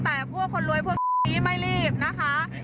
แต่พวกคนรวยพวกนี้ไม่รีบนะคะ